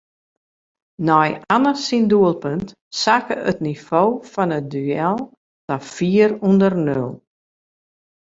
Nei Anne syn doelpunt sakke it nivo fan it duel ta fier ûnder nul.